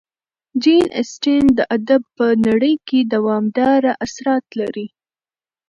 جین اسټن د ادب په نړۍ کې دوامداره اثرات لري.